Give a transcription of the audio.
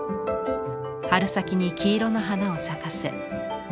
春先に黄色の花を咲かせ南